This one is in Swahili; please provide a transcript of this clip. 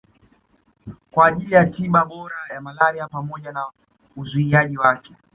kwa ajili ya tiba bora ya malaria pamoja na uzuiaji wake